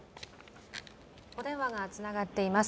お電話がつながっています。